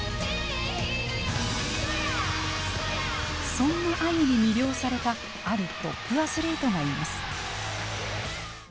そんなあゆに魅了されたあるトップアスリートがいます。